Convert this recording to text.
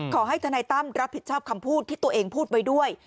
ทนายตั้มรับผิดชอบคำพูดที่ตัวเองพูดไว้ด้วย